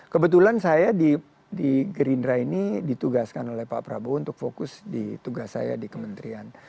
kebetulan saya di gerindra ini ditugaskan oleh pak prabowo untuk fokus di tugas saya di kementerian